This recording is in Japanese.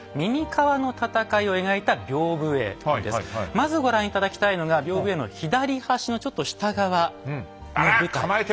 まずご覧頂きたいのが屏風絵の左端のちょっと下側の部隊。